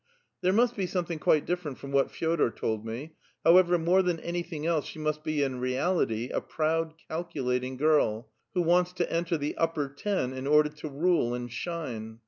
^' There must In? something quite different from what Fe6dor told me. However, more than anything else she must be in i eality a proud, calculating girl, who wants to enter the upper ten in order to rule and shine.